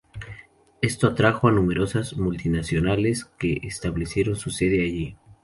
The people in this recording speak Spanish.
Esto atrajo a numerosas multinacionales que establecieron su sede allí.